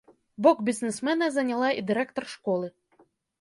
Бок бізнесмена заняла і дырэктар школы.